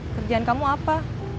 kerjaan kamu apa